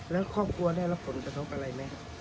แล้วครอบครัวได้รับผลกระทบอะไรไหมครับ